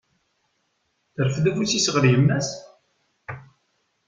Terfed afus-s ɣer yemma-s!